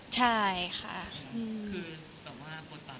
ใช่ค่ะ